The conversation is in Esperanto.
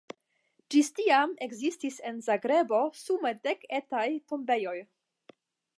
Ĝis tiam ekzistis en Zagrebo sume dek etaj tombejoj.